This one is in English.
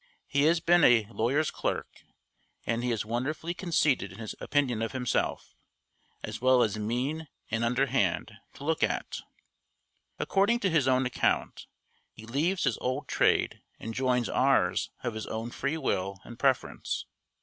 He has been a lawyer's clerk, and he is wonderfully conceited in his opinion of himself, as well as mean and underhand, to look at. According to his own account, he leaves his old trade and joins ours of his own free will and preference.